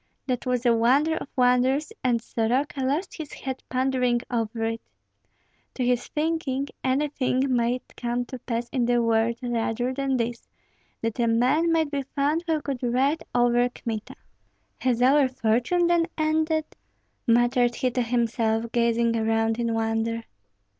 That was a wonder of wonders, and Soroka lost his head pondering over it. To his thinking, anything might come to pass in the world rather than this, that a man might be found who could ride over Kmita. "Has our fortune then ended?" muttered he to himself, gazing around in wonder.